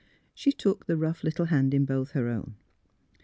She took the rough little hand in both her own.